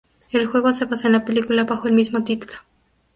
El juego se basa en la película bajo el mismo título.